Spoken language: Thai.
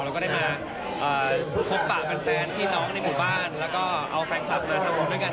แล้วก็ได้มาพบปากแฟนพี่น้องในหมู่บ้านแล้วก็เอาแฟนคลับมาทำบุญด้วยกัน